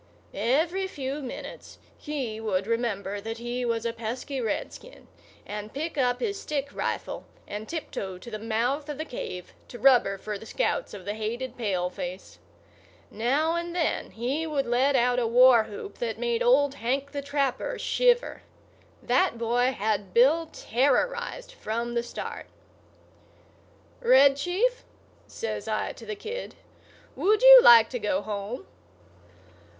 Every few minutes he would remember that he was a pesky redskin, and pick up his stick rifle and tiptoe to the mouth of the cave to rubber for the scouts of the hated paleface. Now and then he would let out a war whoop that made Old Hank the Trapper shiver. That boy had Bill terrorized from the start. "Red Chief," says I to the kid, "would you like to go home?"